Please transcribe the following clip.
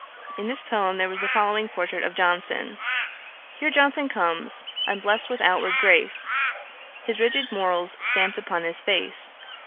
In this poem there was the following portrait of Johnson: 'Here Johnson comes, unblest with outward grace, His rigid morals stamp'd upon his face.